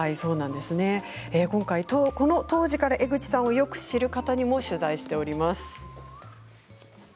今回、この当時から江口さんをよく知る方にも取材しております。